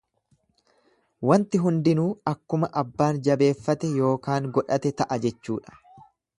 Wanti hundinuu akkuma abbaan jabeeffate yookaan godhate ta'a jechuudha.